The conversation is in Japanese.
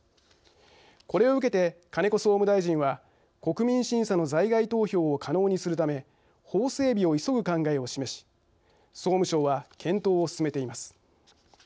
これを受けて、金子総務大臣は国民審査の在外投票を可能にするため法整備を急ぐ考えを示し総務省は検討を進めています。